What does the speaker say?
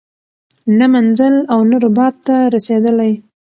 نه منزل او نه رباط ته رسیدلی